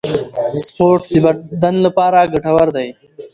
سپورت د بدن لپاره ګټور دی